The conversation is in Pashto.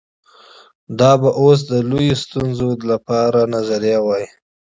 دا به اوس د لویو ستونزو د حل لپاره نظریه وای.